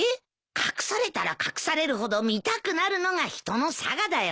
隠されたら隠されるほど見たくなるのが人のさがだよ。